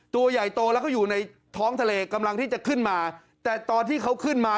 ตัวใหญ่โตแล้วก็อยู่ในท้องทะเลกำลังที่จะขึ้นมาแต่ตอนที่เขาขึ้นมา